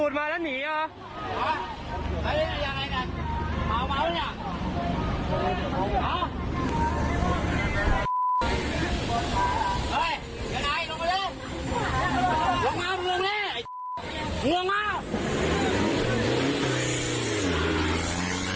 อ่นมาเรามา